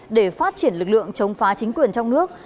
để phát triển lực lượng chống phá chính quyền trong nước